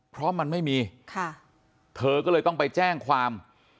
เพราะมันไม่มีค่ะเธอก็เลยต้องไปแจ้งความ